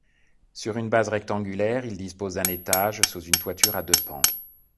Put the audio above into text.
Sur une base rectangulaire, il dispose d'un étage sous une toiture à deux pans.